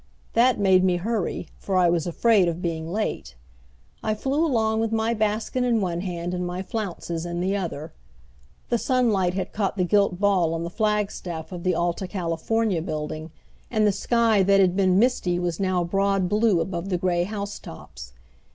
That made me hurry, for I was afraid of being late. I flew along with my basket in one hand and my flounces in the other. The sunlight had caught the gilt ball on the flagstaff of the Alta California building, and the sky that had been misty was now broad blue above the gray housetops.